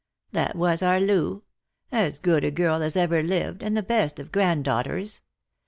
" That was our Loo ; as good a girl as ever lived, and the best of granddaughters.